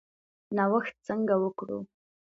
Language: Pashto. نوښت څنګه وکړو؟